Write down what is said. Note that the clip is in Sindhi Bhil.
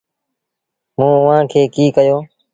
موٚنٚ اُئآݩٚ کي ڪيٚ ڪهيو۔